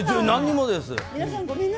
何にもです。